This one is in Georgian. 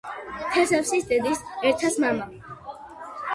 თესევსის დედის, ეთრას, მამა.